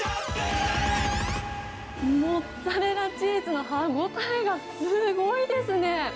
モッツァレラチーズの歯応えがすごいですね。